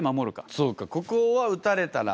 そうかここは撃たれたら。